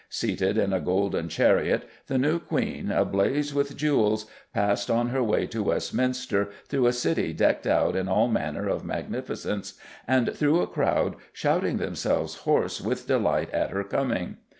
Seated in a golden chariot, the new Queen, ablaze with jewels, passed on her way to Westminster through a city decked out in all manner of magnificence, and through a crowd shouting themselves hoarse with delight at her coming.